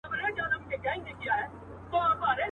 سمدستي د خپل کهاله پر لور روان سو.